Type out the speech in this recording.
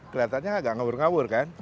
kelihatannya agak ngawur ngawur kan